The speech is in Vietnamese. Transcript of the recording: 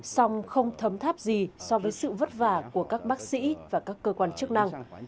song không thấm tháp gì so với sự vất vả của các bác sĩ và các cơ quan chức năng